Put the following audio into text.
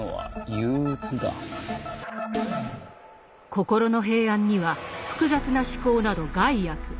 心の平安には複雑な思考など害悪。